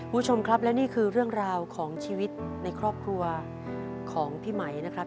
คุณผู้ชมครับและนี่คือเรื่องราวของชีวิตในครอบครัวของพี่ไหมนะครับ